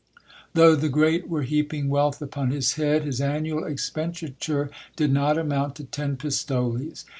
Though the great were heaping wealth upon his head, his annual expendi • ture did not amount to ten pistoles.